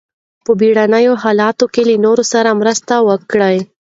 په بیړني حالاتو کې له نورو سره مرسته وکړئ.